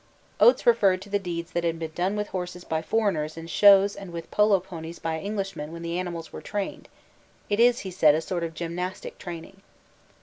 Oates referred to the deeds that had been done with horses by foreigners in shows and with polo ponies by Englishmen when the animals were trained; it is, he said, a sort of gymnastic training.